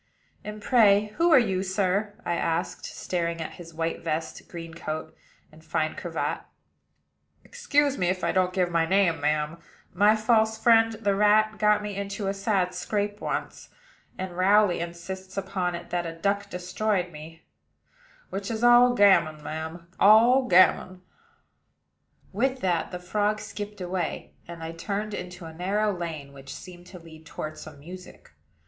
"And, pray, who are you, sir?" I asked, staring at his white vest, green coat, and fine cravat. "Excuse me, if I don't give my name, ma'am. My false friend, the rat, got me into a sad scrape once; and Rowley insists upon it that a duck destroyed me, which is all gammon, ma'am, all gammon." With that, the frog skipped away; and I turned into a narrow lane, which seemed to lead toward some music.